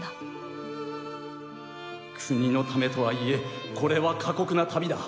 アオサ：国のためとはいえこれは過酷な旅だ。